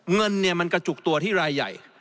เงินมันกระจุกตัวที่รายใหญ่